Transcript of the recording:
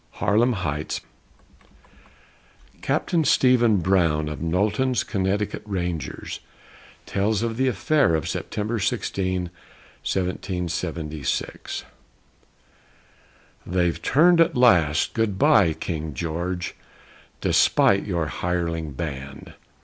HAARLEM HEIGHTS Captain Stephen Brown of Knowlton's Connecticut Rangers tells of the affair of September 16, 1776. They've turned at last! Good by, King George, Despite your hireling band!